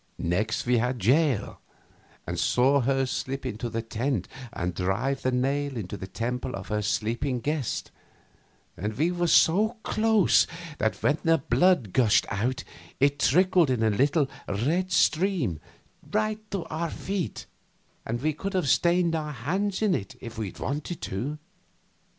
Next we had Jael; and saw her slip into the tent and drive the nail into the temple of her sleeping guest; and we were so close that when the blood gushed out it trickled in a little, red stream to our feet, and we could have stained our hands in it if we had wanted to.